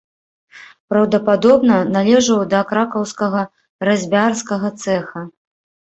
Праўдападобна, належаў да кракаўскага разьбярскага цэха.